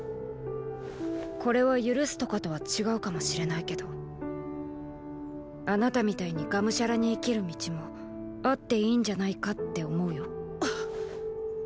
これは許すとかとは違うかもしれないけどあなたみたいにガムシャラに生きる道もあっていいんじゃないかって思うよ。！